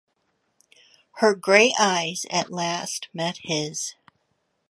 Her grey eyes at last met his.